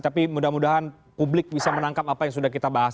tapi mudah mudahan publik bisa menangkap apa yang sudah kita bahas